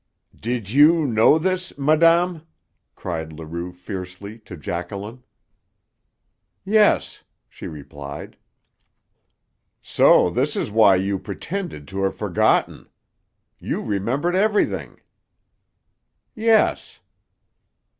"Did you know this, madame?" cried Leroux fiercely to Jacqueline. "Yes," she replied. "So this is why you pretended to have forgotten. You remembered everything?" "Yes."